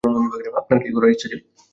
আপনার কী করার ইচ্ছা, ছিল?